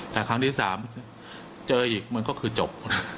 แต่ครั้งที่๓เจออีกมันก็คือจบ